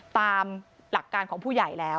ตามหลักการของผู้ใหญ่แล้ว